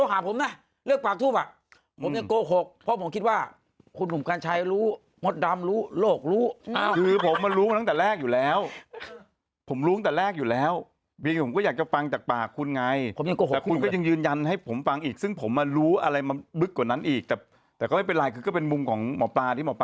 อ่ะผมถามคุณเนี่ยคุณจะไปอยู่ในสามภูมิไหม